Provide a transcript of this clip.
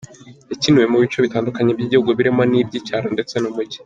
Yakiniwe mu bice bitandukanye by’igihugu birimo iby’icyaro ndetse n’umujyi.